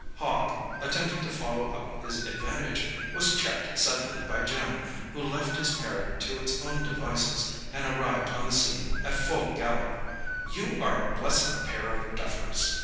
Hogg, attempting to follow up his advantage, was checked suddenly by Jim, who left his parrot to its own devices, and arrived on the scene at full gallop. "You are a blessed pair of duffers!"